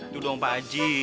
tuh dong pak haji